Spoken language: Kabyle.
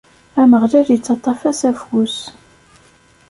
Ameɣlal ittaṭṭaf-as afus.